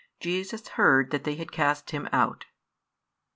35 Jesus heard that they had cast him out.